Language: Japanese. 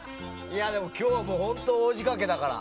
でも今日は本当大仕掛けだから。